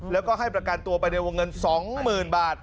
แล้วก็ให้ประการตัวไปในวงเงินสองหมื่นบาท